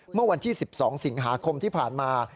เมื่อวันที่๑๒สิงหาคมที่ผ่านมา